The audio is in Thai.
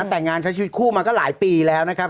แต่งงานใช้ชีวิตคู่มาก็หลายปีแล้วนะครับ